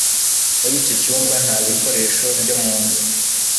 Muri icyo cyumba nta bikoresho byo mu nzu